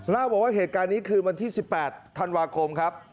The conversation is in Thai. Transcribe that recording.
เล่าบอกว่าเหตุการณ์นี้คืนวันที่๑๘ธันวาคมครับ